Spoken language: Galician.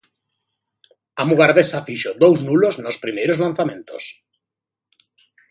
A mugardesa fixo dous nulos nos primeiros lanzamentos.